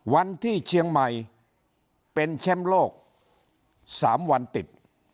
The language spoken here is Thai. วันที่เชียงใหม่เป็นแชมป์โลก๓วันติด